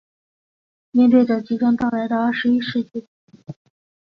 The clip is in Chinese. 面对着即将到来的二十一世纪